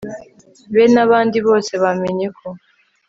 be n'abandi bose bamenya ko